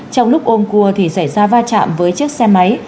trong lúc ôm cua thì xảy ra va chạm với chiếc xe máy